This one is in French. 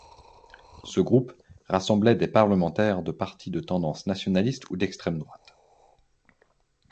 Ce groupe, rassemblait des parlementaires de partis de tendance nationaliste ou d'extrême-droite.